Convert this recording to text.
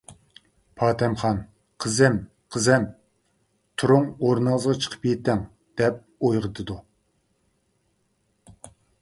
پاتەمخان:-قىزىم، قىزىم، تۇرۇڭ ئورنىڭىزغا چىقىپ يېتىڭ دەپ ئويغىتىدۇ.